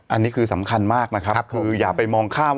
อันนี้คือสำคัญมากนะครับคืออย่าไปมองข้าม